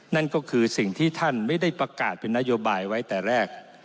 นั่นก็คือสิ่งที่ท่านไม่ได้ประกาศเป็นนโยบายไว้แต่แรก